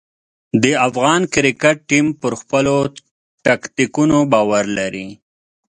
د افغان کرکټ ټیم پر خپلو ټکتیکونو باور لري.